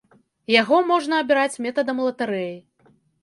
Яго можна абіраць метадам латарэі.